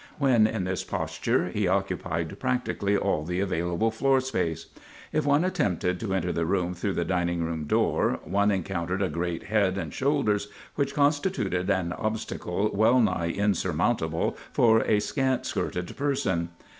When in this posture he occupied practically all the available floor space. If one attempted to enter the room through the WOTAN, THE TERRIBLE 221 dining room door, one encountered a great head and shoulders which constituted an obstacle well nigh in surmountable for a scant skirted person.